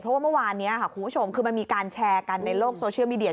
เพราะว่าเมื่อวานนี้ค่ะคุณผู้ชมคือมันมีการแชร์กันในโลกโซเชียลมีเดีย